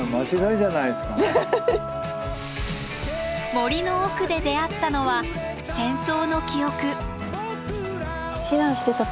森の奥で出会ったのは戦争の記憶。